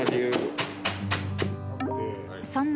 ［そんな］